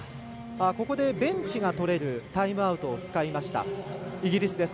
ここで、ベンチがとれるタイムアウトを使いましたイギリスです。